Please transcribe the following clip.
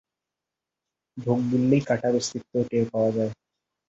ঢোক গিললেই কাঁটার অস্তিত্ব টের পাওয়া যায়।